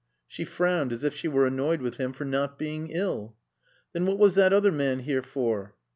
She frowned as if she were annoyed with him for not being ill. "Then what was that other man here for?"